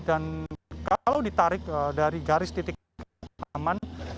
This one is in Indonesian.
dan kalau ditarik dari garis titik taman